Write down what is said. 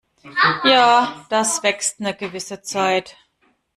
Ja, das wächst 'ne gewisse Zeit.